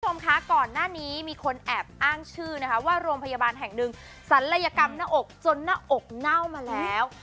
คุณผู้ชมคะก่อนหน้านี้มีคนแอบอ้างชื่อนะคะว่าโรงพยาบาลแห่งหนึ่งศัลยกรรมหน้าอกจนหน้าอกเน่ามาแล้ว